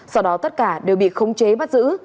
sau đó tất cả đều bị khống chế bắt giữ